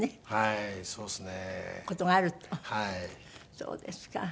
そうですか。